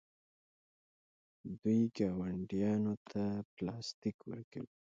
دوی ګاونډیانو ته پلاستیک ورکوي.